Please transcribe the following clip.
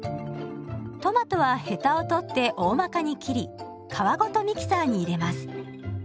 トマトはヘタを取っておおまかに切り皮ごとミキサーに入れます。